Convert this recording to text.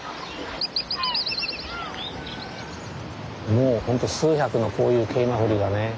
もうほんと数百のこういうケイマフリがね